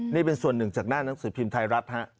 นี่เป็นส่วนหนึ่งจากหน้าหนังสือพิมพ์ไทยรัฐฮะ